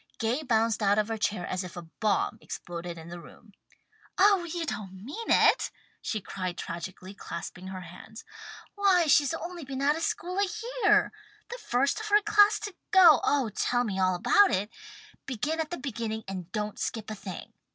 Gay bounced out of her chair as if a bomb exploded in the room. "Oh you don't mean it!" she cried tragically, clasping her hands. "Why she's only been out of school a year! The first of our class to go! Oh tell me all about it! Begin at the beginning and don't skip a thing!"